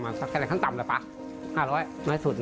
ไม่มีวันหน้าเหยุดแล้วแต่วันหน้าเหยุด